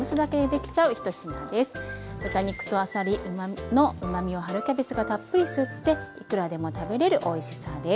豚肉とあさりのうまみを春キャベツがたっぷり吸っていくらでも食べれるおいしさです。